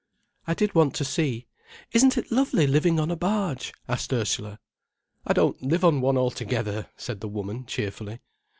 "I did want to see. Isn't it lovely living on a barge?" asked Ursula. "I don't live on one altogether," said the woman cheerfully.